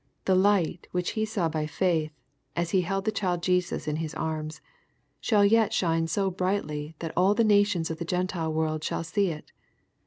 The " light" which be saw by faith, as he held the child Jesus in his arms, shall yet shine so brightly that all the nations of the Gentile world shall see it.